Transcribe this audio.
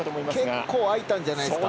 結構開いたんじゃないですか。